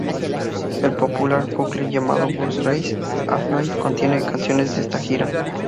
El popular bootleg llamado "Brussels Affair" contiene canciones de esta gira.